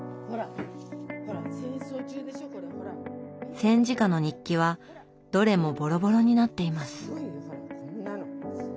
戦時下の日記はどれもボロボロになっています。